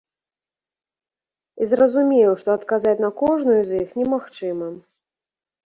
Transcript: І зразумеў, што адказаць на кожную з іх немагчыма.